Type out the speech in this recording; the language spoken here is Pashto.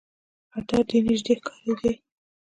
خطر ډېر نیژدې ښکارېدی.